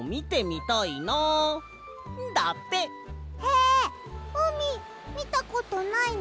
へえうみみたことないの？